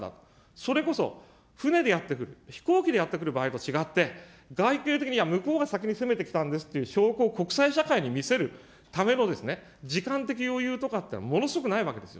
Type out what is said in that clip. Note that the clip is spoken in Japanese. それこそ船でやって来る、飛行機でやって来る場合と違って、外形的には向こうが先に攻めてきたんですという証拠を国際社会に見せるための時間的余裕とかっていうのは、ものすごくないわけですよ。